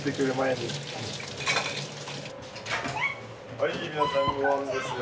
はい皆さんごはんですよ。